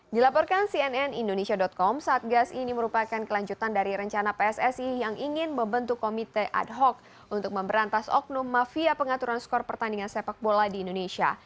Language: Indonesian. dilaporkan cnn indonesia com satgas ini merupakan kelanjutan dari rencana pssi yang ingin membentuk komite ad hoc untuk memberantas oknum mafia pengaturan skor pertandingan sepak bola di indonesia